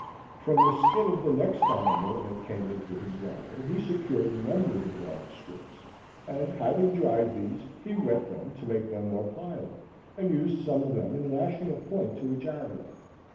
From the skin of the next animal that came into his larder, he secured a number of long strips, and, having dried these, he wet them to make them more pliable, and used some of them in lashing a point to a javelin.